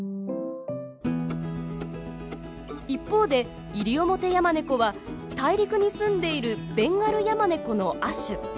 一方でイリオモテヤマネコは大陸にすんでいるベンガルヤマネコの亜種。